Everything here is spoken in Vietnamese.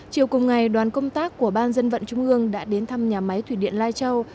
chiều cùng ngày đoàn công tác của ban dân vận trung ương đã đến thăm nhà máy thủy điện lai châu